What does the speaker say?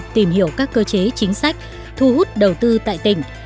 tìm hiểu các cơ chế chính sách thu hút đầu tư tại tỉnh